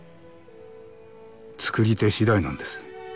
作り手次第なんです。